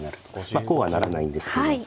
まあこうはならないんですけど。